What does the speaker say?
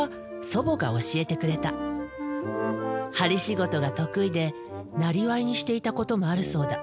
針仕事が得意でなりわいにしていたこともあるそうだ。